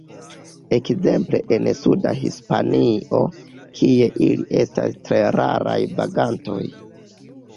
Ekzemple en suda Hispanio, kie ili estas tre raraj vagantoj.